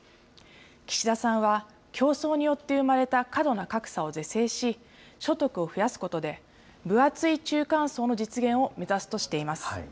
岸田さんは、競争によって生まれた過度な格差を是正し、所得を増やすことで、分厚い中間層の実現を目指すとしています。